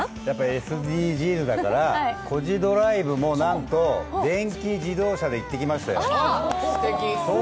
ＳＤＧｓだから「コジドライブ」もなんと電気自動車で行ってきましたよ。